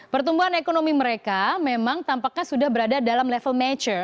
pertumbuhan ekonomi mereka memang tampaknya sudah berada dalam level mature